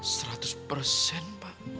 seratus persen pak